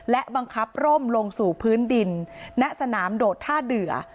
และบังคับร่มลงสู่พื้นดินณสนามโดดท่าเดือ